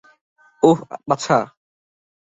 ওহ, বাছা।